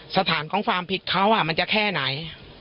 สถานของความผิดเขามันจะแค่ไหน